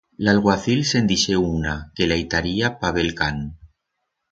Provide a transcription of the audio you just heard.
L'alguacil se'n dixé una, que la itaría pa bel can.